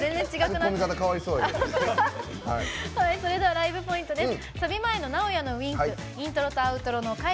ライブポイントです。